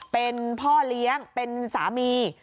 เป็นพ่อเลี้ยงเป็นสามี